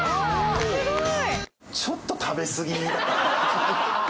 すごい。